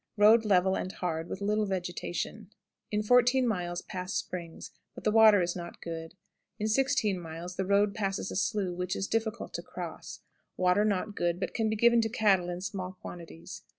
Road level and hard, with little vegetation. In 14 miles pass springs, but the water is not good. In 16 miles the road passes a slough which is difficult to cross; water not good, but can be given to cattle in small quantities.